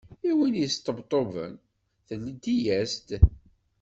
I win yesṭebṭuben, tleddi-as-d.